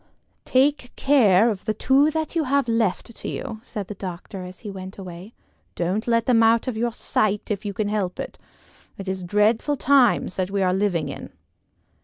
"Take care of the two that you have left to you," said the doctor as he went away. "Don't let them out of your sight if you can help it. It is dreadful times that we are living in."